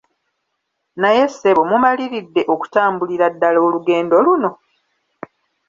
Naye ssebo mumaliridde okutambulira ddala olugendo luno?